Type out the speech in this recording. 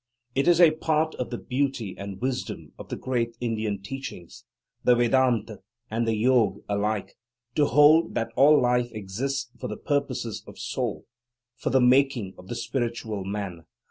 It is a part of the beauty and wisdom of the great Indian teachings, the Vedanta and the Yoga alike, to hold that all life exists for the purposes of Soul, for the making of the spiritual man.